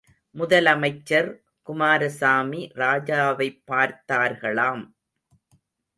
முதலமைச்சர் குமாரசாமி ராஜாவைப்பார்த்தார்களாம்.